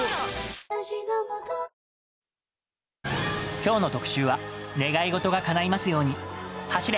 きょうの特集は、願い事がかないますように、走れ！